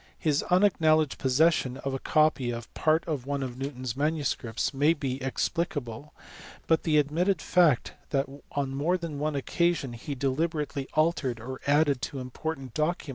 His unacknowledged possession of a copy of part of one of Newton s manuscripts DISPUTE AS TO ORIGIN OF THE CALCULUS. 367 may be explicable, but the admitted fact that on more than one occasion he deliberately altered or added to important documents (ex.